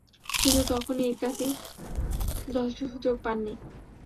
কিন্তু তখন ইকার্দি যথেষ্ট সুযোগ পাননি।